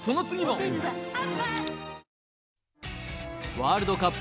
ワールドカップ